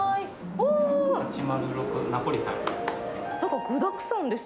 おー。８０６ナポリタンです。